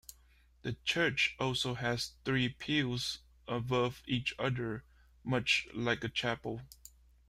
The church also has three pews above each other, much like a chapel.